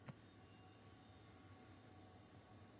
yosh qalbingni baxtsiz mahbus uchun ezib